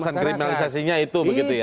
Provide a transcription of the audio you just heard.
alasan kriminalisasinya itu begitu ya